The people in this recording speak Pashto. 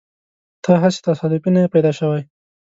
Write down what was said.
ته هسې تصادفي نه يې پیدا شوی.